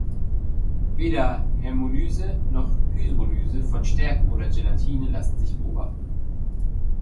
Weder Hämolyse noch Hydrolyse von Stärke oder Gelatine lassen sich beobachten.